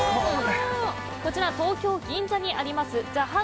こちら、東京・銀座にあります